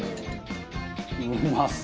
うまそう！